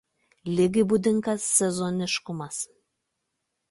Ligai būdingas sezoniškumas.